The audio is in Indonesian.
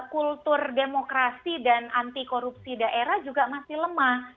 kultur demokrasi dan anti korupsi daerah juga masih lemah